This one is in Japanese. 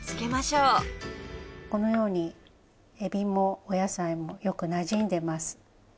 このようにエビもお野菜もよくなじんでます。